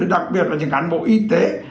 đặc biệt là cán bộ y tế